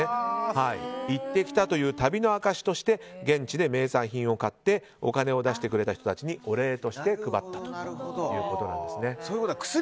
行ってきたという旅の証しとして現地で名産品を買ってお金を出してくれた人たちにお礼として配ったということなんです。